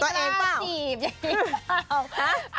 จะบอกถึงตัวเองเปล่า